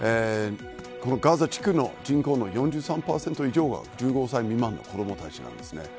ガザ地区の人口の４３％以上が１５歳未満の子どもたちです。